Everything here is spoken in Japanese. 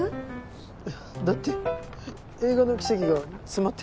ウッだって映画の奇跡が詰まってて。